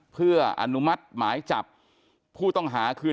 เพื่ออนุมัติหมายจับผู้ต้องหาคืน